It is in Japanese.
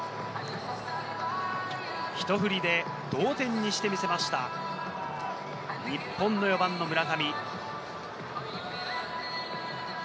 ひと振りで同点にしてみせました、日本の４番の村上。